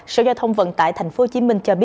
sở giao thông vận tải tp hcm